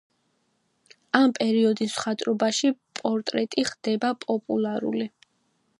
ამ პერიოდის მხატვრობაში პორტრეტი ხდება პოპულარული.